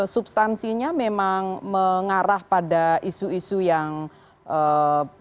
substansinya memang mengarah pada isu isu yang ee